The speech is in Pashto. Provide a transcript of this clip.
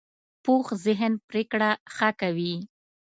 پوخ ذهن پرېکړه ښه کوي